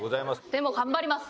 でも頑張ります！